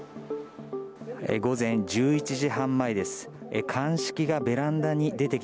午前１１時半前です。